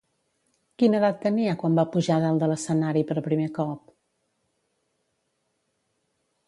Quina edat tenia quan va pujar dalt de l'escenari per primer cop?